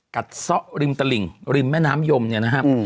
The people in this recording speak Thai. ซ่อริมตลิ่งริมแม่น้ำยมเนี่ยนะครับ